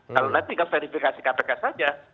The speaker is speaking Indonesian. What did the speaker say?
kalau tidak tinggal verifikasi kpk saja